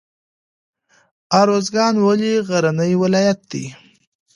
ارزګان ولې غرنی ولایت دی؟